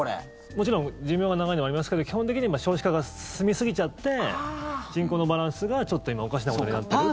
もちろん寿命が長いのもありますけど基本的に少子化が進みすぎちゃって人口のバランスがちょっと今おかしなことになってるという。